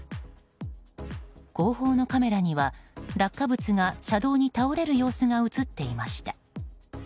後方のカメラには落下物が車道に倒れる様子が映っていました。